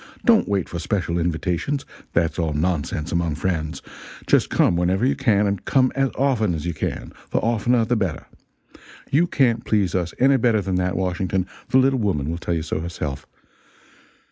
Don't wait for special invitations that's all nonsense among friends. Just come whenever you can, and come as often as you can the oftener the better. You can't please us any better than that, Washington; the little woman will tell you so herself.